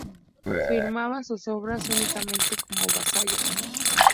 Firmaba sus obras únicamente como Vasallo.